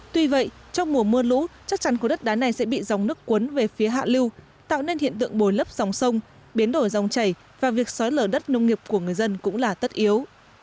tuy vậy trong mùa mưa lũ chắc chắn khối đất đá này sẽ bị dòng nước cuốn về phía hạ lưu tạo nên hiện tượng bồi lấp dòng sông biến đổi dòng chảy và việc sói lở đất nông nghiệp của người dân cũng là tất yếu